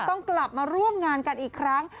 ต้องกลับมาร่วมงานกันอีกครั้ง